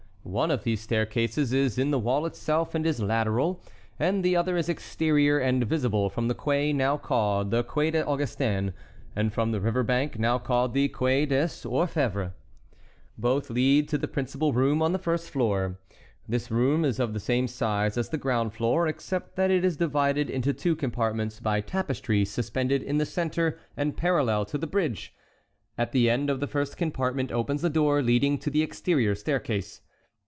One of these staircases is in the wall itself and is lateral, and the other is exterior and visible from the quay now called the Quai des Augustins, and from the riverbank, now called the Quai des Orfévres. Both lead to the principal room on the first floor. This room is of the same size as the ground floor, except that it is divided into two compartments by tapestry suspended in the centre and parallel to the bridge. At the end of the first compartment opens the door leading to the exterior staircase.